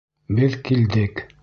Беҙ килдек!